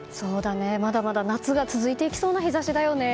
まだまだ夏が続いていきそうな日差しだよね。